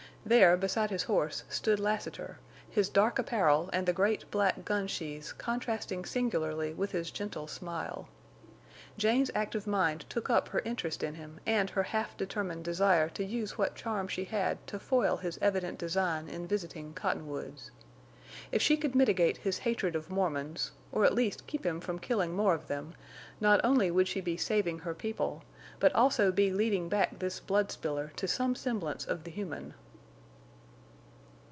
There, beside his horse, stood Lassiter, his dark apparel and the great black gun sheaths contrasting singularly with his gentle smile. Jane's active mind took up her interest in him and her half determined desire to use what charm she had to foil his evident design in visiting Cottonwoods. If she could mitigate his hatred of Mormons, or at least keep him from killing more of them, not only would she be saving her people, but also be leading back this bloodspiller to some semblance of the human.